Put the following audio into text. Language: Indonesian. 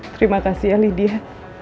terima kasih ya lydia